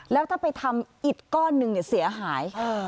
แล้วถ้าไปทำอีกก้อนหนึ่งเสียหาย